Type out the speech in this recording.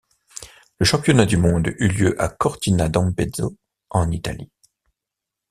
Le championnat du monde eut lieu à Cortina d'Ampezzo, en Italie.